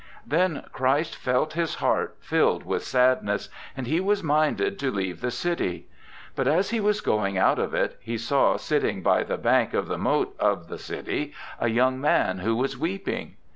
'Then Christ felt His heart filled with sadness, and He was minded to leave the city. But as He was going out of it He saw sitting by the bank of the moat of the city, a young man who was weeping.